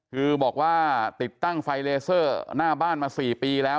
คือบอกว่าติดตั้งไฟเลเซอร์หน้าบ้านมา๔ปีแล้ว